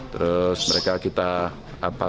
terus mereka kita